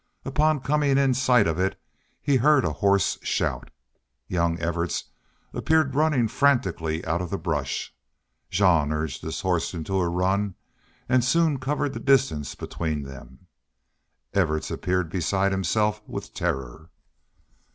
Upon coming in sight of it he heard a hoarse shout. Young Evarts appeared running frantically out of the brush. Jean urged his horse into a run and soon covered the distance between them. Evarts appeared beside himself with terror.